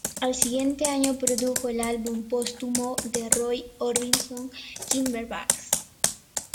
Al siguiente año, produjo el álbum póstumo de Roy Orbison "King of Hearts".